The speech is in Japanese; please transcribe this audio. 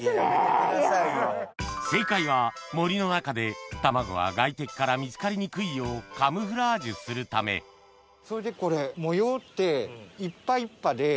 正解は森の中で卵は外敵から見つかりにくいようカムフラージュするためそれでこれ模様って。